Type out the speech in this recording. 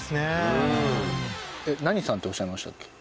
うん何さんっておっしゃいましたっけ？